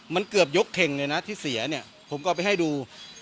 มันเกือบยกเข่งเลยนะที่เสียเนี่ยผมก็เอาไปให้ดู